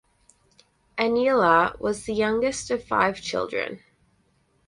Aniela was the youngest of five children.